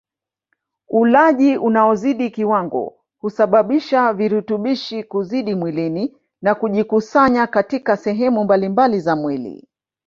Ulaji unaozidi kiwango husababisha virutubishi kuzidi mwilini na kujikusanya katika sehemu mbalimbali za mwili